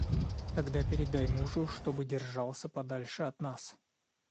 Тогда передай мужу, чтобы держался подальше от нас!